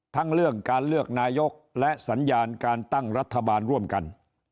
ทั้งเรื่องการเลือกนายกและสัญญาณการตั้งรัฐบาลร่วมกัน